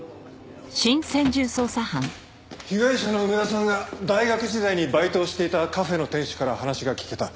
被害者の梅田さんが大学時代にバイトをしていたカフェの店主から話が聞けた。